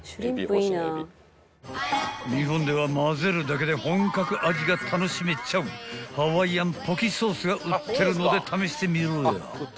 ［日本では混ぜるだけで本格味が楽しめちゃうハワイアンポキソースが売ってるので試してみろよ］